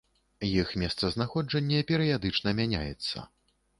Іх месцазнаходжанне перыядычна мяняецца.